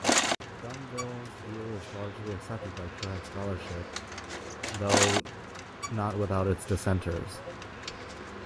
Dumville's view is largely accepted by current scholarship, though not without its dissenters.